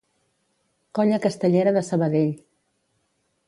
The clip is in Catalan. Colla Castellera de Sabadell.